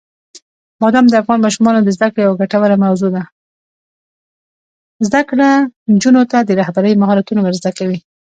زده کړه نجونو ته د رهبرۍ مهارتونه ور زده کوي.